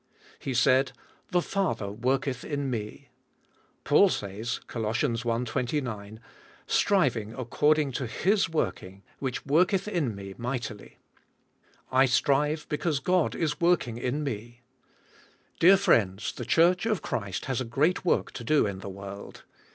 He said, "The Father worketh BK FlIylyKD WITH THK SPIRIT. 127 in me." Paul says, Col. 1:29, "Striving according^ to His working", which worketh in me, mig htily." I strive because God is working in me. Dear friends, the church of Christ has a g reat work to do in the world.